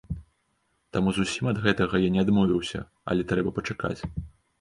Таму зусім ад гэтага я не адмовіўся, але трэба пачакаць.